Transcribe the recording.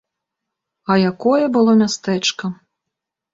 А якое было мястэчка!